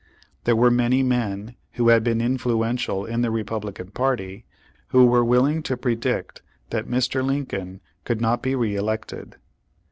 There were many men, who had been influential in the Republican party, who were willing to pre dict that Mr. Lincoln could not be re elected.